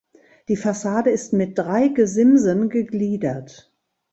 Die Fassade ist mit drei Gesimsen gegliedert.